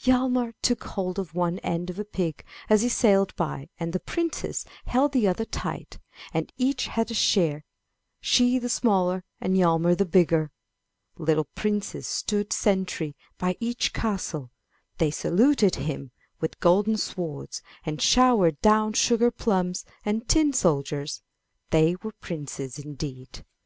Hjalmar took hold of one end of a pig as he sailed by, and the princess held the other tight, and each had a share, she the smaller and Hjalmar the bigger ! Little princes stood sentry by each castle; they saluted with golden swords and showered down sugar plums and tin soldiers; they were princes indeed.